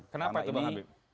kenapa itu bang habib